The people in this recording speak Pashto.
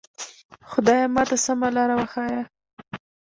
خدایه ماته سمه لاره وښیه.